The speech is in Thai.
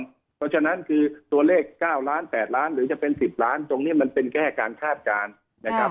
เพราะฉะนั้นคือตัวเลข๙ล้าน๘ล้านหรือจะเป็น๑๐ล้านตรงนี้มันเป็นแค่การคาดการณ์นะครับ